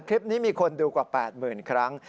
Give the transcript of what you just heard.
คลิปนี้มีคนดูกว่า๘๐๐๐ครั้ง